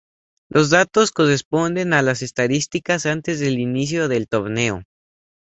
Los datos corresponden a las estadísticas antes del inicio del torneo.